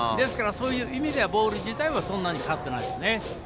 そういう意味ではボール自体はそんなに変わっていないですね。